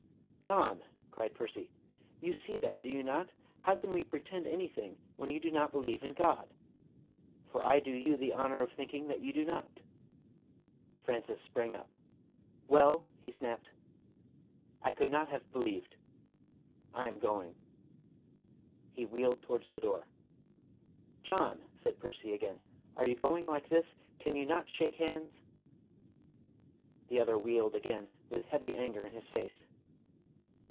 "John!" cried Percy. "You see that, do you not? How can we pretend anything when you do not believe in God? For I do you the honour of thinking that you do not." Francis sprang up. "Well " he snapped. "I could not have believed I am going." He wheeled towards the door. "John!" said Percy again. "Are you going like this? Can you not shake hands?" The other wheeled again, with heavy anger in his face.